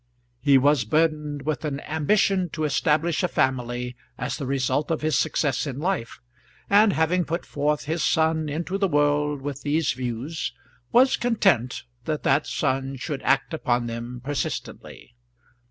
He was burdened with an ambition to establish a family as the result of his success in life; and having put forth his son into the world with these views, was content that that son should act upon them persistently.